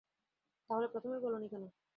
তাহলে প্রথমেই বলোনি কেন?